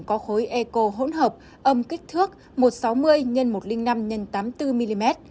ôm kích thước một trăm sáu mươi x một trăm linh năm x tám mươi bốn mm